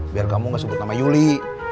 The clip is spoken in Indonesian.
biar kamu gak sebut nama yuli